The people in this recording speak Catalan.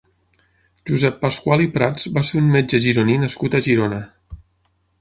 Josep Pascual i Prats va ser un metge gironí nascut a Girona.